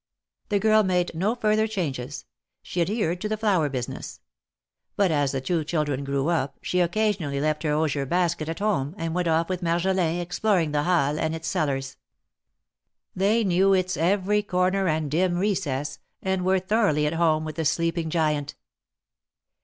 The girl made no further changes; she adhered to the flower business. But as the two children grew up, she occasionally left her osier basket at home, and went off with Marjolin exploring the Halles and its cellars. They knew its every corner and dim recess, and were thoroughly at hoine with the sleeping giant.